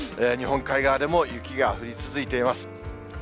日本海側でも雪が降り続いています。